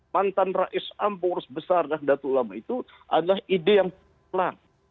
mantan r a b r itu adalah ide yang terang